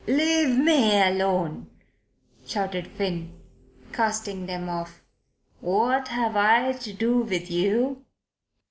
"Leave me alone," shouted Finn, casting them off. "What have I to do with you?